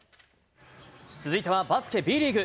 続いてはバスケＢリーグ。